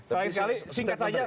sehingga kali singkat saja